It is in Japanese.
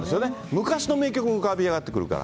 昔の名曲が浮かび上がってくるから。